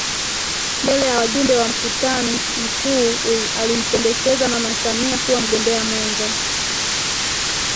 Mbele ya wajumbe wa mkutani Mkuu alimpendekeza Mama Samia kuwa mgombea mwenza